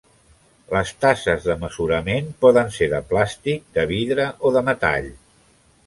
Les tasses de mesurament poden ser de plàstic, de vidre o de metall.